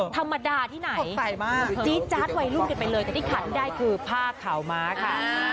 ธรรมดาที่ไหนใกล้มากจี๊จ๊าดวัยรุ่นกันไปเลยแต่ที่ขัดได้คือผ้าขาวม้าค่ะ